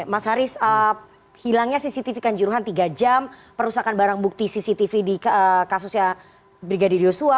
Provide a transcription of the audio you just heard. mas haris hilangnya cctv kanjuruhan tiga jam perusakan barang bukti cctv di kasusnya brigadir yosua